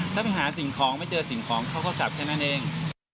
ถ้าไปหาสิ่งของไม่เจอสิ่งของเขาก็กลับแค่นั้นเอง